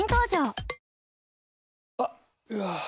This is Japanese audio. あっ、うわー。